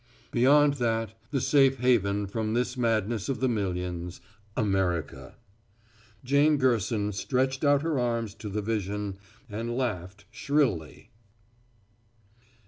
Beyond that the safe haven from this madness of the millions America. Jane Gerson stretched out her arms to the vision and laughed shrilly.